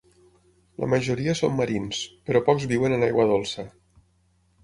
La majoria són marins, però pocs viuen en aigua dolça.